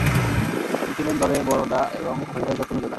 তিনি ছিলেন দলের বড়দা এবং হরিদাস দত্ত মেজদা।